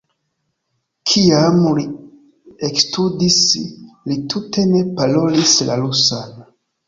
Kiam li ekstudis, li tute ne parolis la rusan.